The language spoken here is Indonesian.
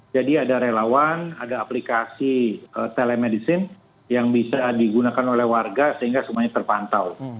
jadi ada relawan ada aplikasi telemedicine yang bisa digunakan oleh warga sehingga semuanya terpantau